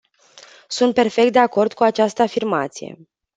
Sunt perfect de acord cu această afirmație.